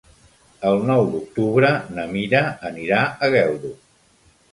El nou d'octubre na Mira anirà a Geldo.